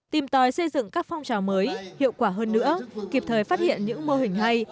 tìm tòi xây dựng các phong trào mới hiệu quả hơn nữa kịp thời phát hiện những mô hình hay